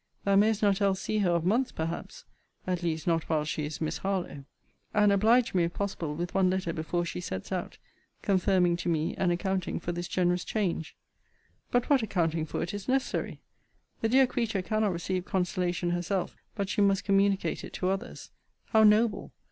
Thou mayest not else see her of months perhaps; at least, not while she is Miss HARLOWE. And oblige me, if possible, with one letter before she sets out, confirming to me and accounting for this generous change. But what accounting for it is necessary? The dear creature cannot receive consolation herself but she must communicate it to others. How noble!